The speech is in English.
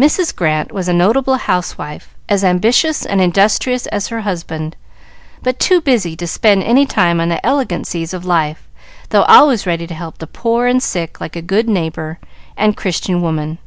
Mrs. Grant was a notable housewife, as ambitious and industrious as her husband, but too busy to spend any time on the elegancies of life, though always ready to help the poor and sick like a good neighbor and Christian woman.